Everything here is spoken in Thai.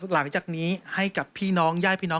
หลังจากนี้ให้กับพี่น้องญาติพี่น้อง